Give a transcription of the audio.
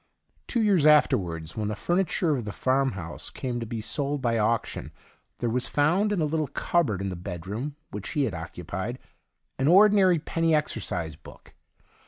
Two years afterwards, when the furniture of the farmhouse came to be sold by auction, there was found in a little cupboard in the bedroom which he had occupied an ordinary penny exercise book.